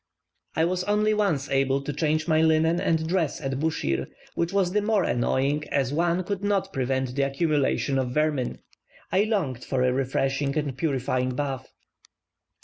I was only once able to change my linen and dress at Buschir, which was the more annoying as one could not prevent the accumulation of vermin. I longed for a refreshing and purifying bath.